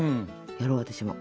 やろう私も。